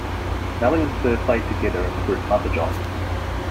Melling and Spurr played together in the group MotherJohn.